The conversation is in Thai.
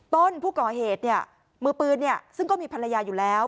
ต้นผู้ก่อเหตุเนี่ยมือปืนซึ่งก็มีภรรยาอยู่แล้ว